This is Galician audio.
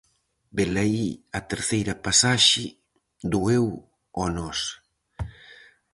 Velaí a terceira pasaxe, do eu ao nós.